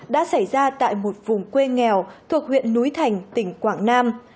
đã xảy ra tại một vùng quê nghèo thuộc huyện núi thành tỉnh quảng nam